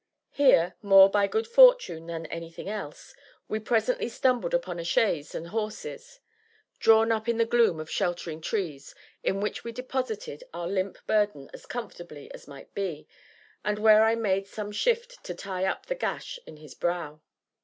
Here, more by good fortune than anything else, we presently stumbled upon a chaise and horses, drawn up in the gloom of sheltering trees, in which we deposited our limp burden as comfortably as might be, and where I made some shift to tie up the gash in his brow.